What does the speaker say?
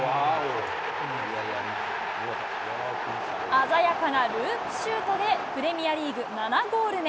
鮮やかなループシュートで、プレミアリーグ７ゴール目。